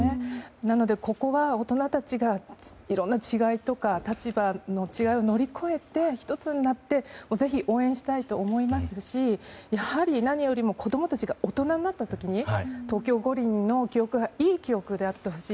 なので、ここは大人たちがいろんな違いとか立場の違いを乗り越えて１つになってぜひ応援したいと思いますしやはり何よりも子供たちが大人になった時に東京五輪の記憶がいい記憶であってほしい。